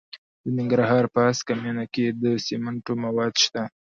د ننګرهار په هسکه مینه کې د سمنټو مواد شته.